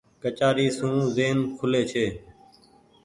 ڪچآري سون زين کولي ڇي۔